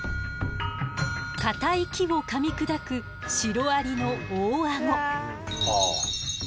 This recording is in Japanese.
かたい木をかみ砕くシロアリの大アゴ。